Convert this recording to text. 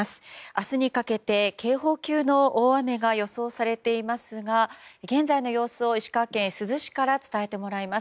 明日にかけて警報級の大雨が予想されていますが現在の様子を石川県珠洲市から伝えてもらいます。